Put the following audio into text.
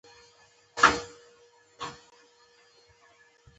افغانستان سومره نفوس لري